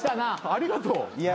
・ありがとう。